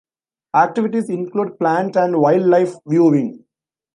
Activities include plant and wildlife viewing.